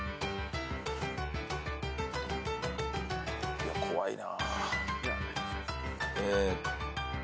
いや怖いな。